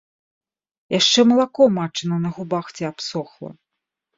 Яшчэ малако матчына на губах ці абсохла.